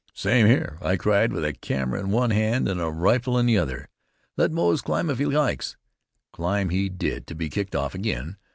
"Same here," I cried, with a camera in one hand and a rifle in the other. "Let Moze climb if he likes." Climb he did, to be kicked off again.